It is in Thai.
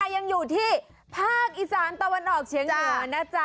ยังอยู่ที่ภาคอีสานตะวันออกเฉียงเหนือนะจ๊ะ